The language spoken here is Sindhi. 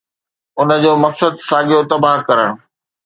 ان جو مقصد ساڳيو تباهه ڪرڻ.